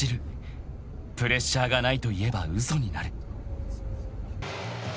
［プレッシャーがないと言えば嘘になる］